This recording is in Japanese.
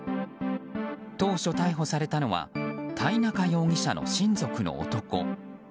当初逮捕されたのは田井中容疑者の親族の男。